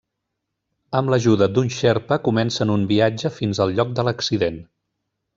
Amb l'ajuda d'un xerpa comencen un viatge fins al lloc de l'accident.